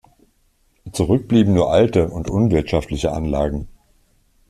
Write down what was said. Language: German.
Zurück blieben nur alte und unwirtschaftliche Anlagen.